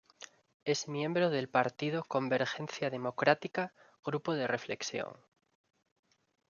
Es miembro del Partido Convergencia Democrática-Grupo de Reflexión.